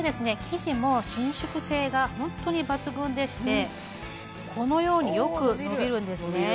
生地も伸縮性が本当に抜群でしてこのようによく伸びるんですね